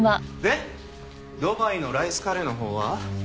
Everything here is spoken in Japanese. ドバイのライスカレーのほうは？